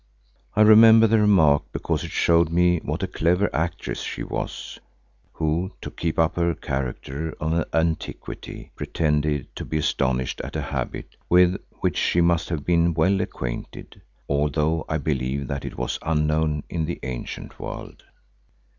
I remember the remark because it showed me what a clever actress she was who, to keep up her character of antiquity, pretended to be astonished at a habit with which she must have been well acquainted, although I believe that it was unknown in the ancient world.